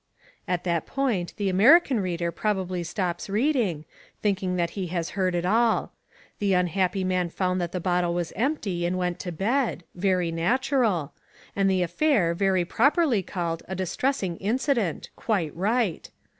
At that point the American reader probably stops reading, thinking that he has heard it all. The unhappy man found that the bottle was empty and went to bed: very natural: and the affair very properly called a "distressing incident": quite right.